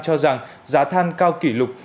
cho rằng giá than cao kỷ lục